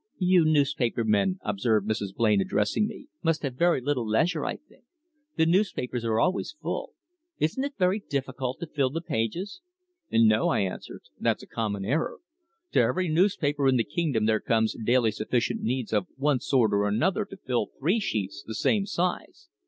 "You newspaper men," observed Mrs. Blain, addressing me, "must have very little leisure, I think. The newspapers are always full. Isn't it very difficult to fill the pages?" "No," I answered. "That's a common error. To every newspaper in the kingdom there comes daily sufficient news of one sort or another to fill three sheets the same size.